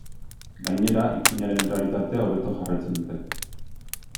Gainera, ipuinaren errealitatea hobeto jarraitzen dute.